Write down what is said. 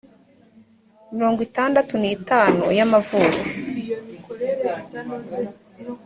mirongo itandatu n itanu y amavuko